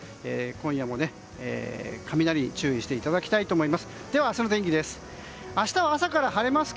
今夜も雷に注意していただきたいと思います。